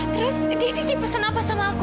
terus diki pesan apa sama aku